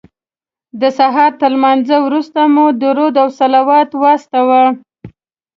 د سهار تر لمانځه وروسته مو درود او صلوات واستاوه.